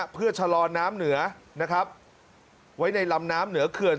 เพื่อชะลอนน้ำเหนือวัยในลำน้ำเหนือเขื่อน